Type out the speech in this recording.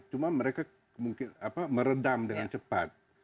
cuma mereka meredam dengan cepat